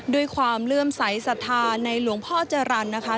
ความเลื่อมใสสัทธาในหลวงพ่อจรรย์นะคะ